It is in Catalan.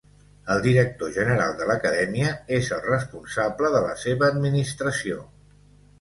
El Director General de la acadèmia és el responsable de la seva administració.